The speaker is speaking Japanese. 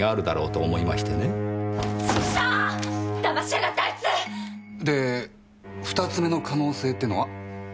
騙しやがったあいつ！で２つ目の可能性ってのは？